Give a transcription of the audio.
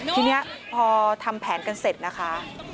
ทีนี้พอทำแผนกันเสร็จนะคะ